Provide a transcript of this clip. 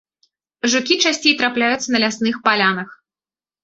Жукі часцей трапляюцца на лясных палянах.